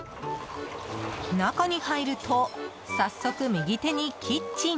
中に入ると早速、右手にキッチン。